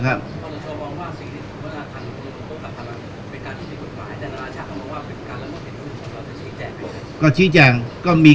การสำรรค์ของเจ้าชอบใช่